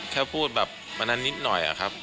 แค่พูดแบบมานานนิดหน่อยอะครับ